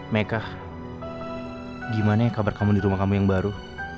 meka gimana ya kabar kamu di rumah kamu yang baru